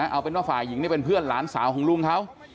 เอาเป็นว่าฝ่ายหญิงนี่เป็นเพื่อนหลานสาวของลุงเขา